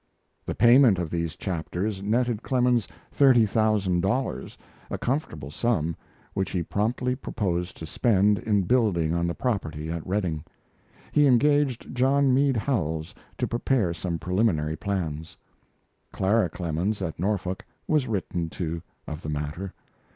The payment of these chapters netted Clemens thirty thousand dollars a comfortable sum, which he promptly proposed to spend in building on the property at Redding. He engaged John Mead Howells to prepare some preliminary plans. Clara Clemens, at Norfolk, was written to of the matter.